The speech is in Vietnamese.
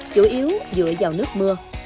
chủ yếu dựa vào nước mưa